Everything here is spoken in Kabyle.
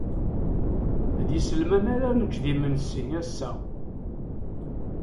D iselman ara nečč d imensi ass-a.